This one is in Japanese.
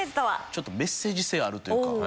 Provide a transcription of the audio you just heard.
ちょっとメッセージ性あるというか。